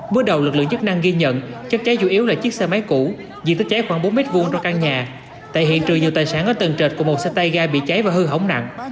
bước đầu lực lượng chức năng ghi nhận chất cháy chủ yếu là chiếc xe máy cũ diện tích cháy khoảng bốn m hai trong căn nhà tại hiện trường nhiều tài sản ở tầng trệt cùng một xe tay ga bị cháy và hư hỏng nặng